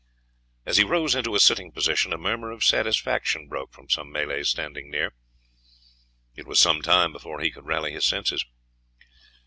As he rose into a sitting position a murmur of satisfaction broke from some Malays standing near. It was some time before he could rally his senses.